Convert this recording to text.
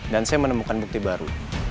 dan saya menemukan bukti baru